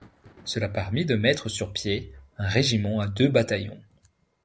Cela permit de mettre sur pied un régiment à deux bataillons.